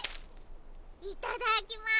いただきます。